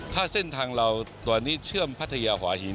ถ้าเส้นทางเราตอนนี้เชื่อมพัทยาหัวหิน